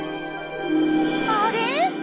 あれ？